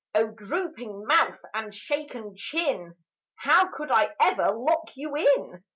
O drooping mouth and shaken chin! How could I ever lock you in?